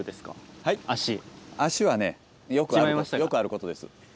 足はねよくあることです。